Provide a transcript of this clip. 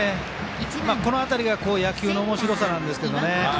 この辺りが野球のおもしろさなんですけどね。